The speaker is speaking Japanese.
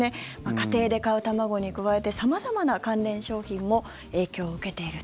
家庭で買う卵に加えて様々な関連商品も影響を受けていると。